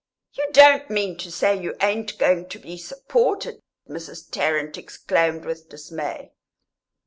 "You don't mean to say you ain't going to be supported?" Mrs. Tarrant exclaimed, with dismay.